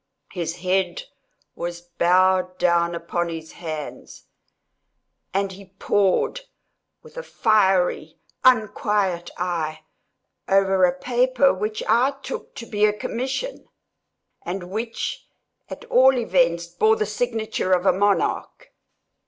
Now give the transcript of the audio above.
His head was bowed down upon his hands, and he pored, with a fiery unquiet eye, over a paper which I took to be a commission, and which, at all events, bore the signature of a monarch.